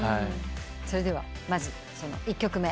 それではまず１曲目。